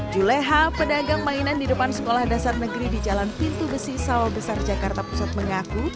juleha pedagang mainan di depan sekolah dasar negeri di jalan pintu besi sawah besar jakarta pusat mengaku